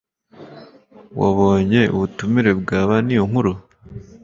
Wabonye ubutumire bwa Niyonkuru?